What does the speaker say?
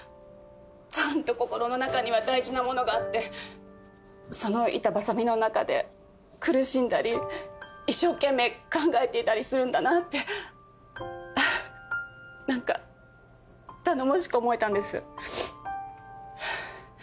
ちゃんと心の中には大事なものがあってその板挟みの中で苦しんだり一生懸命考えていたりするんだなって何か頼もしく思えたんです。